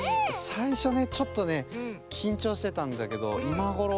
さいしょねちょっとねきんちょうしてたんだけどいまごろ